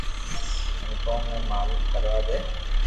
ھيين ڪوم ۾ ماھارت ڪروا دي